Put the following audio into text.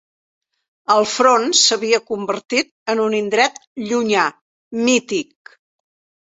El front s'havia convertit en un indret llunyà, mític